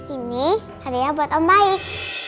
ini karya buat om baik